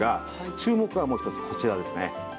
注目はもう一つこちらですね。